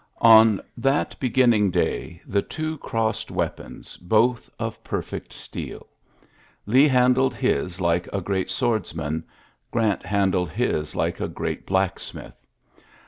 On tliat beginning day the two crossed weapons, both of perfect steeL Lee handled his like a great swordsman: Grant handled his like a great black smith.